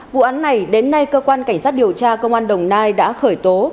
vụ án này đến nay cơ quan cảnh sát điều tra công an đồng nai đã khởi tố